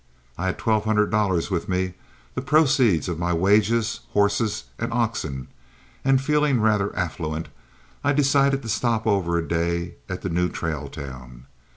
I had twelve hundred dollars with me, as the proceeds of my wages, horses, and oxen, and, feeling rather affluent, I decided to stop over a day at the new trail town.